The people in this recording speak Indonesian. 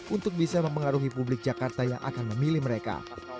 untuk bisa mempengaruhi publik jakarta yang akan memilih mereka